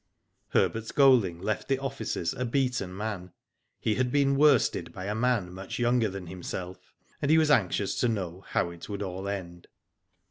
Herbert Golding left the offices a beaten man. He had been worsted by a man much younger than himself, and he was anxious to know how it would all end.